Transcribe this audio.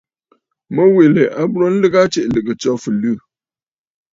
Mu wilì a burə nlɨgə aa tsiʼì lɨ̀gə̀, tso fɨliɨ̂.